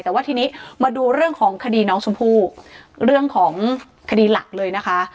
แต่ว่าทีนี้มาดูเรื่องของคดีน้องชมพู่เรื่องของคดีหลักเลยนะคะ